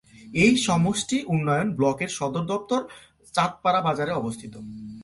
এই সমষ্টি উন্নয়ন ব্লকের সদর দফতর চাঁদপাড়া বাজারে অবস্থিত।